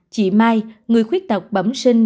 chị mai người khuyết tộc bẩm sinh